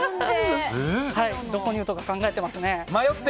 どこに打とうか考えてますね。